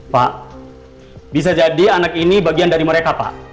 pak bisa jadi anak ini bagian dari mereka pak